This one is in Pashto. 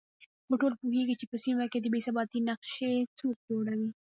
خو ټول پوهېږو چې په سيمه کې د بې ثباتۍ نقشې څوک جوړوي